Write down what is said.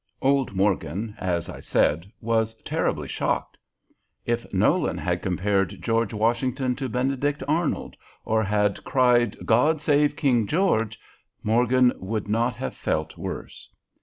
Old Morgan, as I said, was terribly shocked. If Nolan had compared George Washington to Benedict Arnold, or had cried, "God save King George," Morgan would not have felt worse.